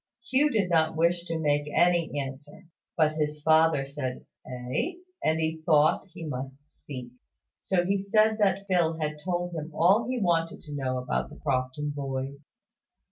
Hugh did not wish to make any answer; but his father said "Eh?" and he thought he must speak; so he said that Phil had told him all he wanted to know about the Crofton boys.